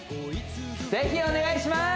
ぜひお願いします